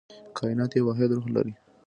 کائنات یو واحد روح لري.